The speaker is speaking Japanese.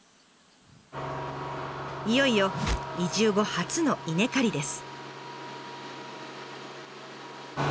いよいよ移住後初の稲刈りです。